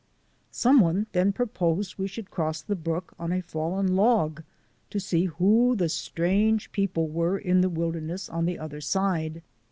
Someone then proposed we should cross the brook on a fallen log to see who the strange people were in the wilderness on the other side.